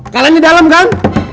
kalian di dalam kan